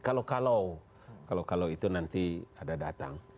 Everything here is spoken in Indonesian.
kalau kalau kalau kalau itu nanti ada datang